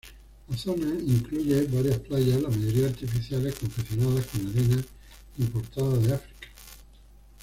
La zona incluye varias playas, la mayoría artificiales, confeccionadas con arena importada de África.